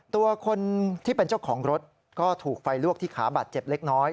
ตัวคนที่เป็นเจ้าของรถก็ถูกไฟลวกที่ขาบาดเจ็บเล็กน้อย